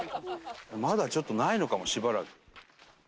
まだちょっとないのかもしばらく。